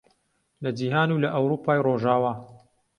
لە جیهان و لە ئەورووپای ڕۆژاوا